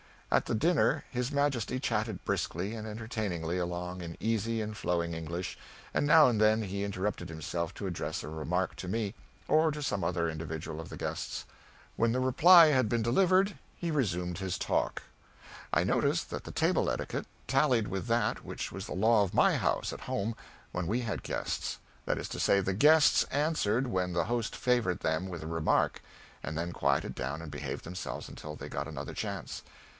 At the dinner his Majesty chatted briskly and entertainingly along in easy and flowing English, and now and then he interrupted himself to address a remark to me, or to some other individual of the guests. When the reply had been delivered, he resumed his talk. I noticed that the table etiquette tallied with that which was the law of my house at home when we had guests: that is to say, the guests answered when the host favored them with a remark, and then quieted down and behaved themselves until they got another chance.